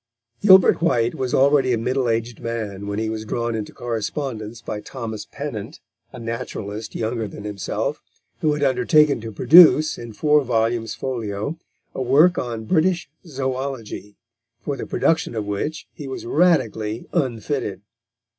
Gilbert White was already a middle aged man when he was drawn into correspondence by Thomas Pennant, a naturalist younger than himself, who had undertaken to produce, in four volumes folio, a work on British Zoology for the production of which he was radically unfitted.